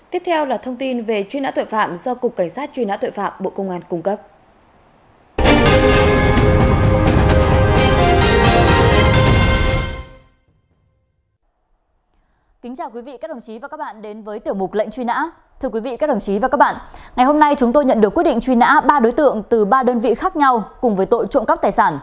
tiếp theo là thông tin về truy nã tội phạm do cục cảnh sát truy nã tội phạm bộ công an cung cấp